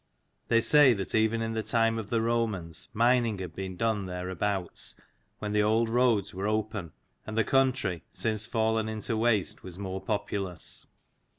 They say that even in the time of the Romans mining had been done thereabouts, when the old roads were open, and the country, since fallen into waste, was more populous.